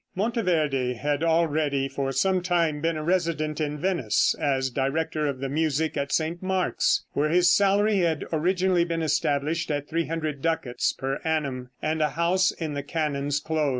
Monteverde had already for some time been a resident in Venice as director of the music at St. Mark's, where his salary had originally been established at 300 ducats per annum, and a house in the canon's close.